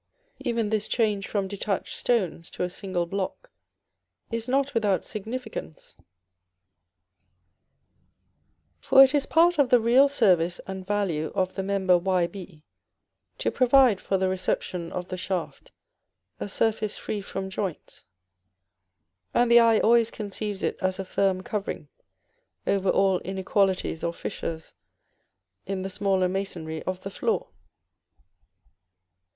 Even this change from detached stones to a single block is not without significance; for it is part of the real service and value of the member Yb to provide for the reception of the shaft a surface free from joints; and the eye always conceives it as a firm covering over all inequalities or fissures in the smaller masonry of the floor.